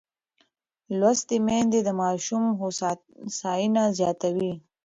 لوستې میندې د ماشوم هوساینه زیاتوي.